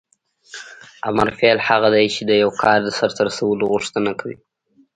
امر فعل هغه دی چې د یو کار د سرته رسولو غوښتنه کوي.